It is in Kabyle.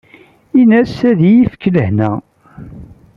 In-as ad iyi-yefk lehna.